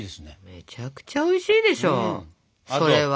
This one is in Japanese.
めちゃくちゃおいしいでしょそれは。